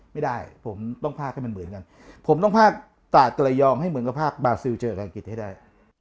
ไม่ได้ผมต้องภาคให้มันเหมือนกันผมต้องภาคตราดกระยองให้เหมือนกับภาคบาซิลเจอกับอังกฤษให้ได้